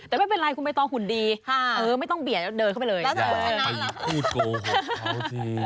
แต่ไม่เป็นไรคุณใบตองหุ่นดีไม่ต้องเบียดแล้วเดินเข้าไปเลย